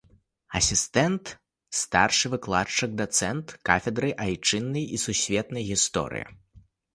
Асістэнт, старшы выкладчык, дацэнт кафедры айчыннай і сусветнай гісторыі.